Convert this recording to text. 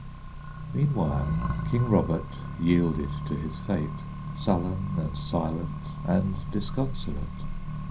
Meanwhile King Robert yielded to his fate, Sullen and silent and disconsolate.